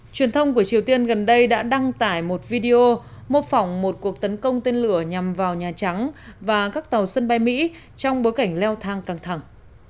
truyền thông của triều tiên gần đây đã đăng tải một video mô phỏng một cuộc tấn công tên lửa nhằm vào nhà trắng và các tàu sân bay mỹ trong bối cảnh leo thang căng thẳng